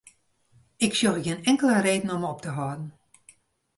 Ik sjoch gjin inkelde reden om op te hâlden.